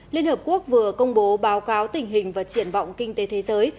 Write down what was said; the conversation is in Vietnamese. liên hợp quốc vừa công bố báo cáo tình hình và triển vọng kinh tế thế giới